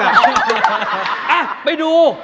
อ่ะไปดู